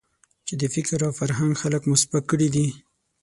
چې د فکر او فرهنګ خلک مو سپک کړي دي.